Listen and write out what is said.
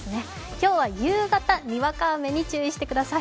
今日は夕方にわか雨に注意してください。